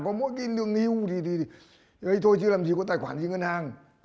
có mỗi cái lương hưu thì thôi chứ làm gì có tài khoản gì ngân hàng